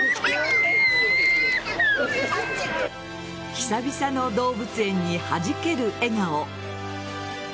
久々の動物園にはじける笑顔。